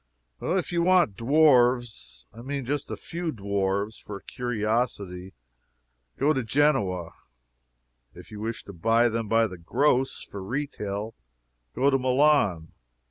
If you want dwarfs I mean just a few dwarfs for a curiosity go to Genoa. If you wish to buy them by the gross, for retail, go to Milan.